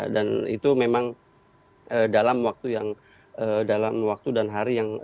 dan itu memang dalam waktu yang dalam waktu dan hari yang